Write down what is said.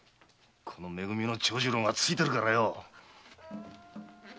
このめ組の長次郎がついてるからよ！